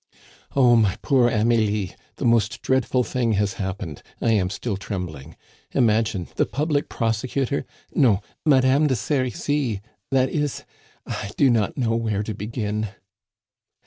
"Oh! my poor Amelie, the most dreadful thing has happened I am still trembling. Imagine, the public prosecutor no, Madame de Serizy that is I do not know where to begin."